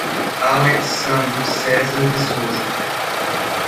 Alex Sandro Cesar de Sousa